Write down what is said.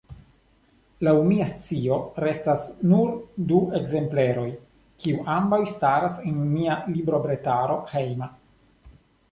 Laŭ mia scio restas nur du ekzempleroj, kiuj ambaŭ staras en mia librobretaro hejma.